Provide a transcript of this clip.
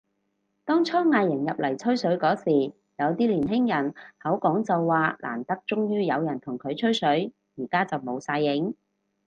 當初嗌人入嚟吹水嗰時，有啲年輕人口講就話難得終於有人同佢吹水，而家就冇晒影